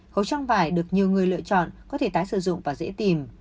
khẩu trang vải được nhiều người lựa chọn có thể tái sử dụng và dễ tìm